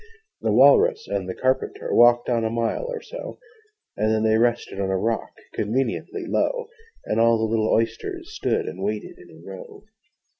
The Walrus and the Carpenter Walked on a mile or so, And then they rested on a rock Conveniently low: And all the little Oysters stood And waited in a row.